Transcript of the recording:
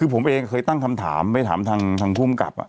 ผมเคยตั้งถามเป็นคนกลับ